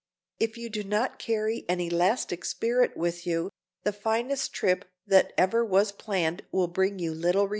If you do not carry an elastic spirit with you, the finest trip that ever was planned will bring you little return.